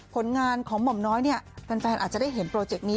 ผลงานของหม่อมน้อยเนี่ยแฟนอาจจะได้เห็นโปรเจกต์นี้